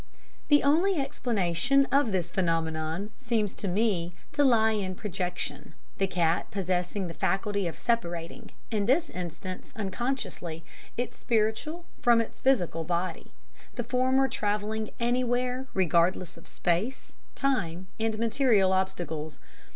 The only explanation of this phenomenon seems to me to lie in projection the cat possessing the faculty of separating in this instance, unconsciously its spiritual from its physical body the former travelling anywhere, regardless of space, time and material obstacles.